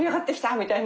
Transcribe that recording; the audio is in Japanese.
みたいな。